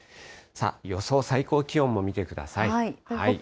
予想最高気温も見てください。